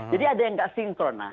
jadi ada yang nggak sinkron